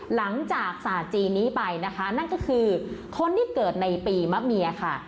หลังจากศาสตร์จีนนี้ไปนะคะนั่นก็คือคนที่เกิดในปีมะเมียค่ะ